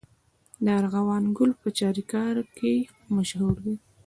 د ارغوان ګل په چاریکار کې مشهور دی.